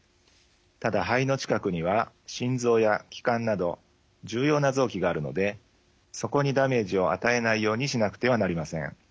ただ肺の近くには心臓や気管など重要な臓器があるのでそこにダメージを与えないようにしなくてはなりません。